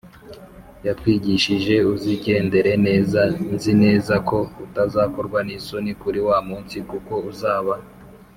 yatwigishije, uzigendere neza. nzi neza ko utazakorwa n’isoni kuri wa munsi, kuko uzaba